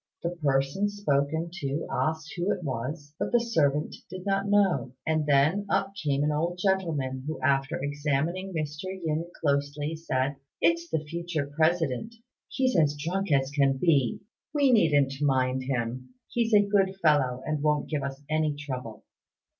The person spoken to asked who it was, but the servant did not know; and then up came an old gentleman, who, after examining Mr. Yin closely, said, "It's the future President: he's as drunk as can be. We needn't mind him; besides, he's a good fellow, and won't give us any trouble."